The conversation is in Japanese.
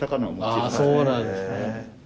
あぁそうなんですね。